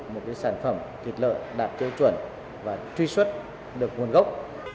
một cái sản phẩm thịt lợi đạt tiêu chuẩn và truy xuất được nguồn gốc